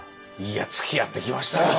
いやつきあってきましたよ！